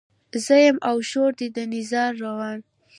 زه يمه او شور دی د نيزار روان